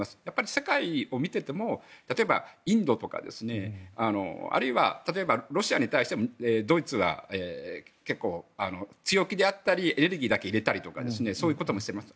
世界を見ててもインドとかあるいは、例えばロシアに対してドイツが結構強気であったりエネルギーだけ入れたりとかしています。